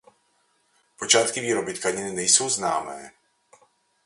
Počátky výroby tkaniny nejsou známé.